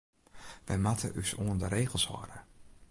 Wy moatte ús oan de regels hâlde.